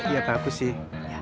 ya bagus sih